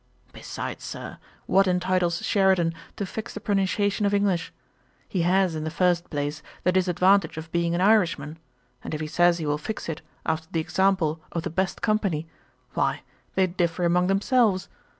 Besides, Sir, what entitles Sheridan to fix the pronunciation of English? He has, in the first place, the disadvantage of being an Irishman: and if he says he will fix it after the example of the best company, why they differ among themselves.